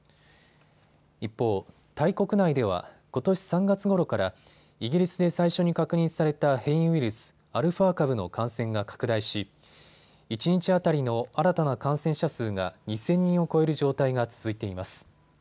一方、タイ国内ではことし３月ごろからイギリスで最初に確認された変異ウイルス、アルファ株の感染が拡大し一日当たりの新たな感染者数が２０００人を超える状態が続いています。